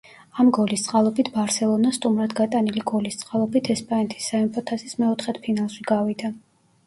ამ გოლის წყალობით ბარსელონა სტუმრად გატანილი გოლის წყალობით ესპანეთის სამეფო თასის მეოთხედფინალში გავიდა.